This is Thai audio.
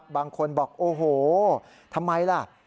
บางคนบอกโอ้โหทำไมล่ะ